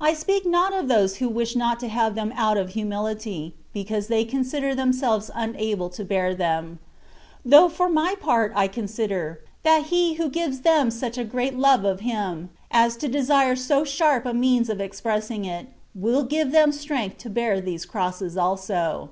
I speak not of those who wish not to have them out of humility, because they consider themselves unable to bear them ; though for my part I consider, that He who gives them such a great love of Him, as to desire so sharp a means of expressing it, will give them strength to bear these crosses also.